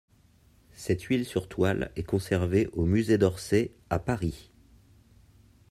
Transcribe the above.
Cette huile sur toile est conservée au musée d'Orsay, à Paris.